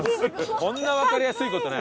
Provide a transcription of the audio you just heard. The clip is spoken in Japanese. こんなわかりやすい事ない。